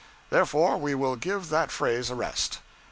Therefore we will give that phrase a rest.